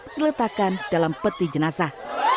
diletakkan dalam peti jenazah